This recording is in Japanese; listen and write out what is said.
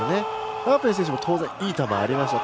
ラープイェン選手も当然いい球がありました。